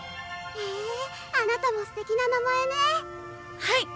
へぇあなたもすてきな名前ねはい！